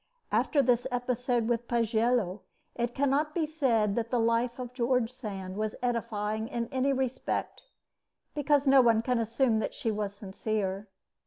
After this episode with Pagello, it cannot be said that the life of George Sand was edifying in any respect, because no one can assume that she was sincere.